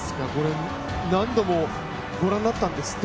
何度もご覧になったんですって？